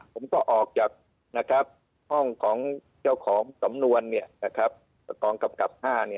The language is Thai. ผมก็ออกจากห้องของเจ้าของสำนวนกองกำกับ๕